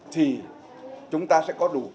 thì chúng ta sẽ có đủ cơ sở có một nền tảng vững chắc